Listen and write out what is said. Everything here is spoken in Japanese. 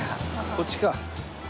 こっちか。